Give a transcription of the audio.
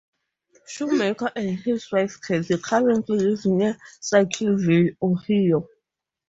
Shoemaker and his wife Kathy currently live near Circleville, Ohio.